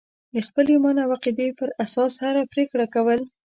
د خپل ایمان او عقیدې پر اساس هره پرېکړه کول.